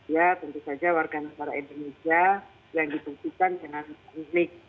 ya tentu saja warga negara indonesia yang dibuktikan dengan unik